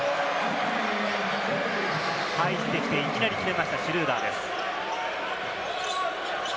入ってきて、いきなり決めました、シュルーダーです。